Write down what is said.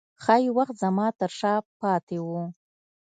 ښايي وخت زما ترشا پاته و